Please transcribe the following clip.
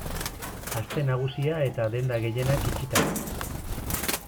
Aste Nagusia eta denda gehienak itxita.